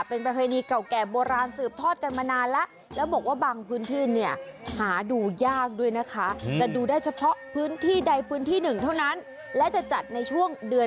เป็นประเพณีเก่าแก่โบราณสืบทอดกันมานานแล้ว